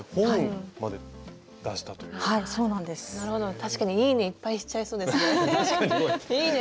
確かに「いいね！」いっぱいしちゃいそうですね。いいね！